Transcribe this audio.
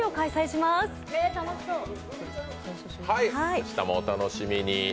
明日もお楽しみに。